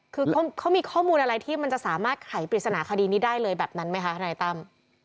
คือเขามีข้อมูลอะไรที่มันจะสามารถไขปริศนาคดีนี้ได้เลยแบบนั้นไหมคะทนายตั้ม